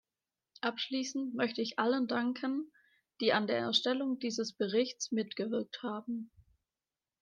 Abschließend möchte ich allen danken, die an der Erstellung dieses Berichts mitgewirkt haben.